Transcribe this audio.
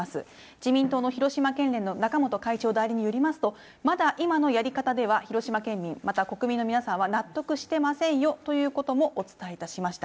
自民党の広島県連の中本会長代理によりますと、まだ今のやり方では広島県民、また国民の皆さんは納得してませんよということもお伝えいたしました。